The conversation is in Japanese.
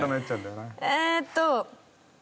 えーっと。